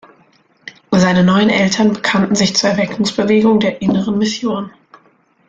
Seine neuen Eltern bekannten sich zur Erweckungsbewegung der "Inneren Mission".